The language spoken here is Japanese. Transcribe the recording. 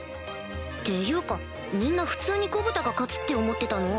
っていうかみんな普通にゴブタが勝つって思ってたの？